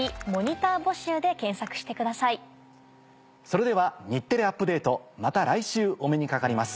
それでは『日テレアップＤａｔｅ！』また来週お目にかかります。